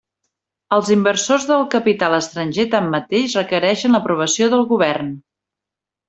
Les inversions del capital estranger, tanmateix, requereixen l'aprovació del govern.